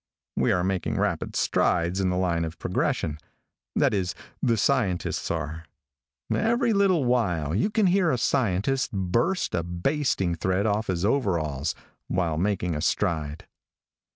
We are making rapid strides in the line of progression. That is, the scientists are. Every little while you can hear a scientist burst a basting thread off his overalls, while making a stride.